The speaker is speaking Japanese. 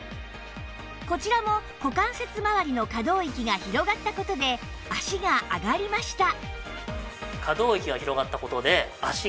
こちらも股関節まわりの可動域が広がった事で脚が上がりました